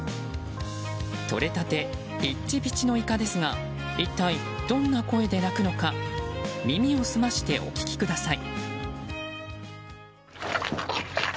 とれたてピッチピチのイカですが一体どんな声で鳴くのか耳を澄ましてお聴きください。